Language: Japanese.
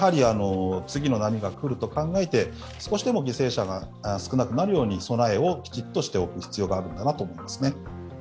次の波が来ると考えて少しでも犠牲者が少なくなるように備えをきちっとしておく必要があると思います。